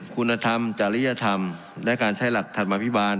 คุณธรรมจริยธรรมและการใช้หลักธรรมพิบาล